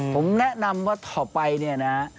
ผมแนะนำว่าต่อไปเนี่ยนะ